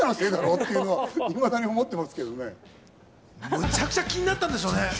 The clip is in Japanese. むちゃくちゃ気になったんでしょうね。